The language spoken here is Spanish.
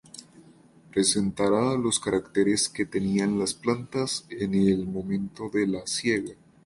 Presentará los caracteres que tenían las plantas en el momento de la siega.